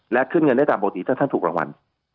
และขึ้นเงินได้ตามปกติถ้าท่านถูกรางวัล